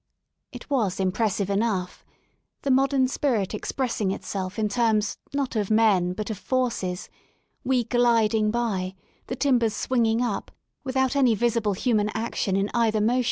It was impressive enough — the modern spirit expressing itself in terms not of men but of forces, we gliding by, the timbers swinging up, without any visible human action in either motion.